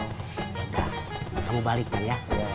udah kamu balik ya